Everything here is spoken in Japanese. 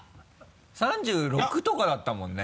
３６とかだったもんね。